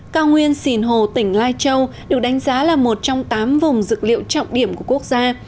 cao nguyên xìn hồ tỉnh lai châu được đánh giá là một trong tám vùng dực liệu trọng điểm của quốc gia